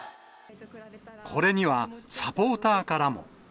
これには、サポーターからも。